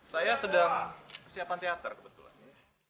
saya sedang persiapan teater kebetulan